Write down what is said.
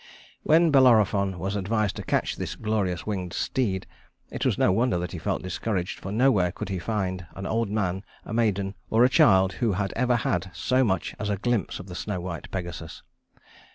" When Bellerophon was advised to catch this glorious winged steed, it was no wonder that he felt discouraged, for nowhere could he find an old man, a maiden, or a child who had ever had so much as a glimpse of the snow white Pegasus.